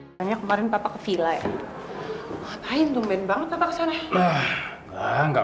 sampai jumpa di video selanjutnya